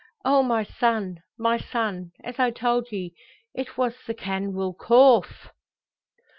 "Oh, my son, my son! As I told ye. It was the canwyll corph!"